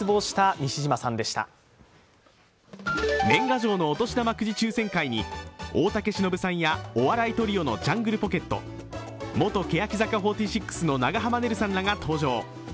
年賀状のお年玉くじ抽選会に大竹しのぶさんやお笑いトリオのジャングルポケット元欅坂４６の長濱ねるさんらが登場。